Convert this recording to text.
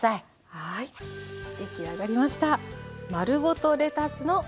はい出来上がりました。